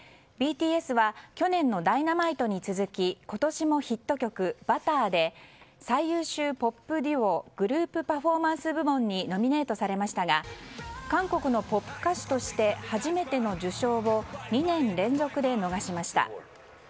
ＢＴＳは去年の「Ｄｙｎａｍｉｔｅ」に続き今年もヒット曲「Ｂｕｔｔｅｒ」で最優秀ポップ・デュオ／グループ・パフォーマンス部門にノミネートされましたが韓国のポップ歌手として初めての受賞を２年連続で逃しました。